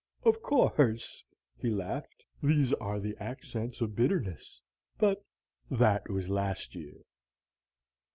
Of course," he laughed, "these are the accents of bitterness. But that was last year."